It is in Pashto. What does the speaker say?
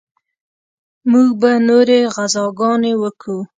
موږ به نورې غزاګانې وکو.